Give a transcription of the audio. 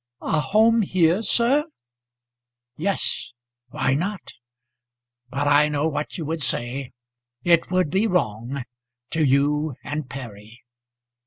"A home here, sir?" "Yes; why not? But I know what you would say. It would be wrong, to you and Perry."